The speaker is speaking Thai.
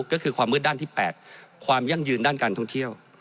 ก็คือความมืดด้านที่๘ความยั่งยืนด้านการท่องเที่ยว